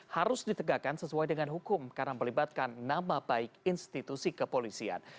harus ditegakkan sesuai dengan hukum karena melibatkan nama baik institusi kepolisian